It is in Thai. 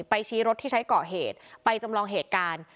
ชี้รถที่ใช้ก่อเหตุไปจำลองเหตุการณ์